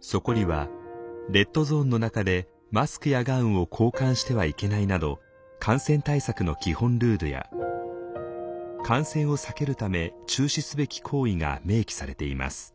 そこには「レッドゾーンの中でマスクやガウンを交換してはいけない」など感染対策の基本ルールや感染を避けるため中止すべき行為が明記されています。